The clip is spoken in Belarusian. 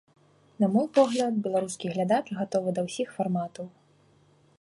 На мой погляд, беларускі глядач гатовы да ўсіх фарматаў.